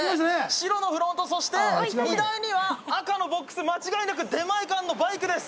白のフロントそして荷台には赤のボックス間違いなく出前館のバイクです